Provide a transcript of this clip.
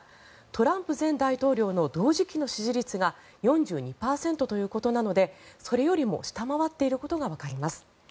トランプ前大統領の同時期の支持率が４２％ということなのでそれよりも下回っていることがわかります。